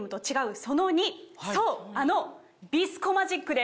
そうあの。